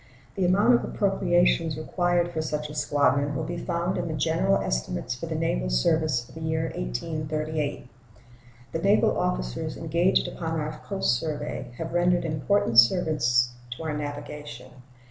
The amount of appropriations required for such a squadron will be found in the general estimates for the naval service for the year 1838. The naval officers engaged upon our coast survey have rendered important service to our navigation.